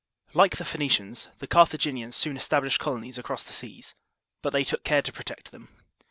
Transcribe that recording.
Like the Phoenicians, the Carthaginians soon established colonies across the seas; but they took care to protect them.